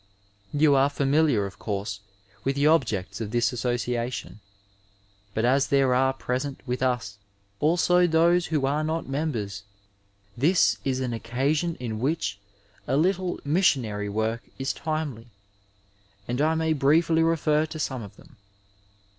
You are familiar, of course, with the objects of this Association, but as there lure present with us also those who are not members, this is an occasion in which a little missionary work is timely, and I may briefly refer to some of them.